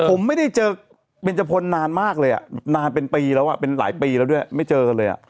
ผมไม่ได้เจอเบนจพลนานมากเลยอ่ะนานเป็นปีแล้วอ่ะเป็นหลายปีแล้วด้วยไม่เจอกันเลยอ่ะ